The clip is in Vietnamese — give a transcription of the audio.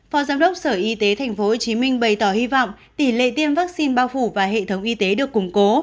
phó giám đốc sở y tế tp hcm bày tỏ hy vọng tỷ lệ tiêm vaccine bao phủ và hệ thống y tế được củng cố